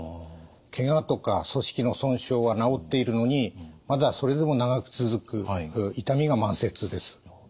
けがとか組織の損傷は治っているのにまだそれでも長く続く痛みが慢性痛です。